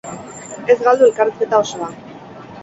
Ez galdu elkarrizketa osoa.